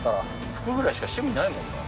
服ぐらいしか趣味ないもんな。